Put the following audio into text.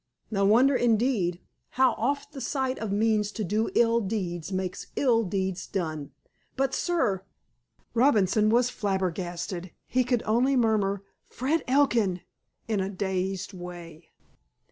"No wonder, indeed. How oft the sight of means to do ill deeds makes ill deeds done!" "But, sir—" Robinson was flabbergasted. He could only murmur "Fred Elkin!" in a dazed way.